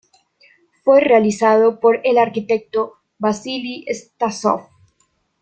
Fue realizado por el arquitecto Vasili Stásov.